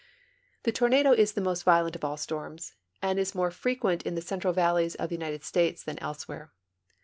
The tornado is the most violent of all storms, and is more fre quent in the central valleys of the United States than elsewhere.